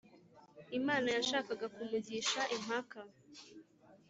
imana yashaka kumugisha impaka,